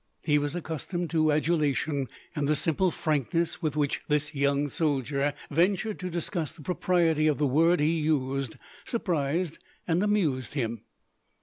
He was accustomed to adulation, and the simple frankness with which this young soldier ventured to discuss the propriety of the word he used surprised and amused him.